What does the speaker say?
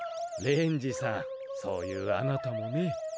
レンジさんそういうあなたもね。